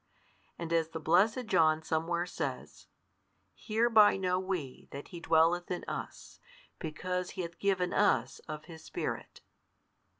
And as the blessed John somewhere says, Hereby know we that He dwelleth in us, because He hath given us of His Spirit.